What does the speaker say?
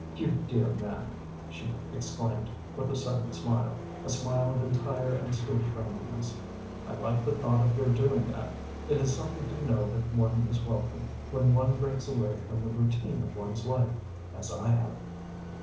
"You dear man!" she exclaimed, with a sudden smile, a smile of entire and sweet friendliness. "I like the thought of your doing that. It is something to know that one is welcome, when one breaks away from the routine of one's life, as I have."